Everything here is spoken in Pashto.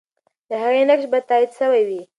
د هغې نقش به تایید سوی وي.